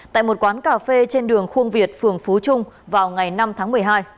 tại một quán cà phê trên đường khuôn việt phường phú trung vào ngày năm tháng một mươi hai